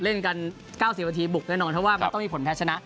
เล่นกัน๙๐นาทีบุกแน่นอนเพราะว่ามันต้องมีผลแพ้ชนะ